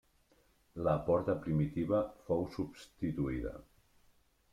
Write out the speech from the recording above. La porta primitiva fou substituïda.